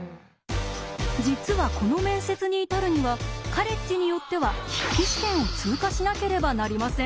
実はこの面接に至るにはカレッジによっては筆記試験を通過しなければなりません。